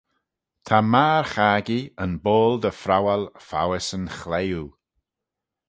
Ta magher-chaggee, yn boayl dy phrowal foays yn chliwe.